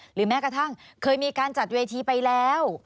หรือแม้กระทั่งเคยมีการจัดเวทีไปแล้ว